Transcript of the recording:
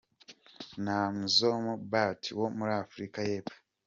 Nomzamo Mbatha wo muri Afrika y'Epfo.